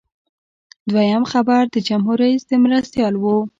دویم خبر د جمهور رئیس د مرستیال و.